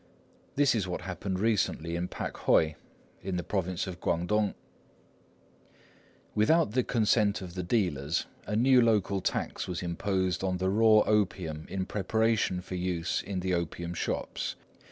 This is what happened recently in Pakhoi, in the province of Kuangtung:— "Without the consent of the dealers, a new local tax was imposed on the raw opium in preparation for use in the opium shops.